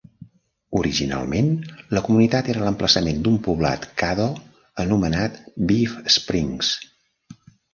Originalment, la comunitat era l'emplaçament d'un poblat Caddo anomenat Biff Springs.